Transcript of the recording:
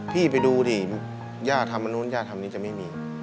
พี่ไปดูดิย่าทำอันนู้นย่าทำนี้จะไม่มี